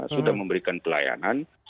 sudah memberikan pelayanan